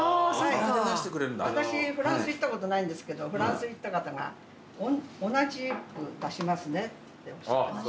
私フランス行ったことないんですけどフランス行った方が「同じく出しますね」っておっしゃってました。